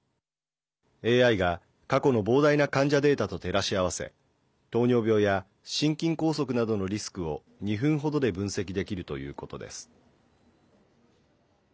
ＡＩが過去の膨大な患者データと照らし合わせ糖尿病や心筋梗塞などのリスクを２分ほどで分析できるということです。